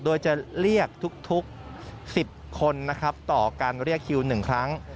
โดยจะเรียกทุก๑๐คนนะครับต่อการเรียกคิว๑ครั้ง